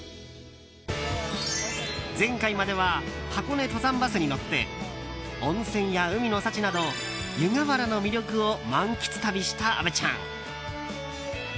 前回までは箱根登山バスに乗って温泉や海の幸など湯河原の魅力を満喫旅した虻ちゃん。